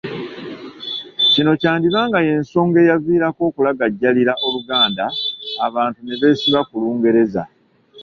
Kino kyandiba nga y’ensonga eyaviirako okulagajjalira Oluganda abantu ne beesiba ku Lungereza